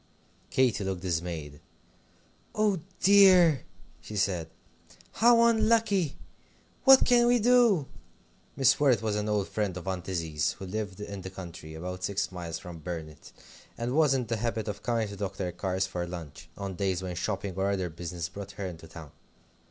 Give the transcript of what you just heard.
Katy looked dismayed. "Oh dear!" she said, "how unlucky. What can we do?" Mrs. Worrett was an old friend of Aunt Izzie's, who lived in the country, about six miles from Burnet, and was in the habit of coming to Dr. Carr's for lunch, on days when shopping or other business brought her into town.